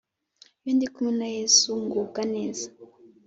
Iyo ndikumwe na yesu ngubwa neza